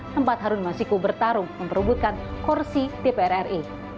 tempat harun masiku bertarung memperubutkan kursi dpr ri